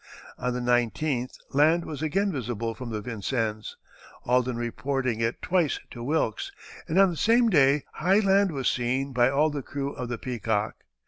On the 19th land was again visible from the Vincennes, Alden reporting it twice to Wilkes, and on the same day high land was seen by all the crew of the Peacock.